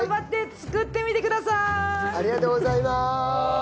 ありがとうございます！